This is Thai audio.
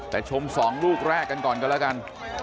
แต่ชม๒ลูกแรกกันก่อนกันแล้วกัน